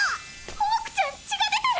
ホークちゃん血が出てる！